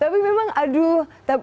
tapi memang aduh